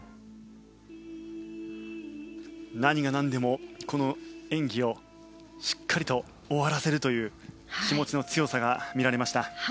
何が何でもこの演技をしっかりと終わらせるという気持ちの強さが見られました。